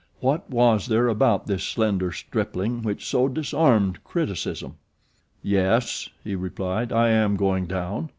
What was there about this slender stripling which so disarmed criticism? "Yes," he replied, "I am going down.